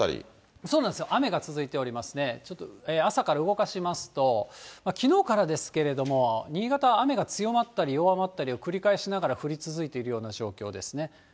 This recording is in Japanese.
雨が続いてますね、朝から動かしますと、きのうからですけれども、新潟、雨が強まったり弱まったりを繰り返しながら降り続いているような状況ですね。